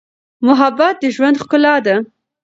محبت د ژوند ښکلا ده.